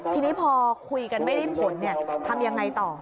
ทีนี้พอคุยกันไม่ได้ผลทำยังไงต่อ